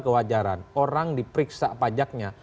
kewajaran orang diperiksa pajaknya